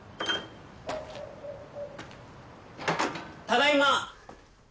ただいま！